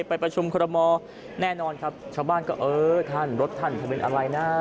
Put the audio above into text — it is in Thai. ไปประชุมคอรมอลแน่นอนครับชาวบ้านก็เออท่านรถท่านผมเป็นอะไรนะ